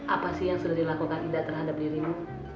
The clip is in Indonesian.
apa sih yang sudah dilakukan ida terhadap dirimu